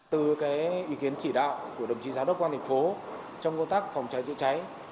từ ý kiến chỉ đạo của đồng chí giáo đốc quan thành phố trong công tác phòng cháy chữa cháy